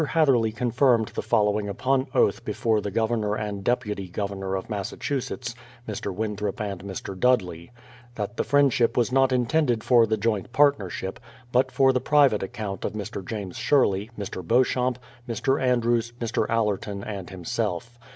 Hatherley confirmed the follow ing upon oath before the Governor and Deputy Governor of Massachusetts, Mr. Winthrop and Mr. Dudley: that the Friendship was not intended for the joint partnership, but for the private account of Mr. James Sherley, Mr. Beauchamp, Mr. Andrews, Mr. Allerton, and himself.